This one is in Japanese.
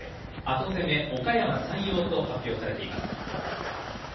後攻め、おかやま山陽と発表されています。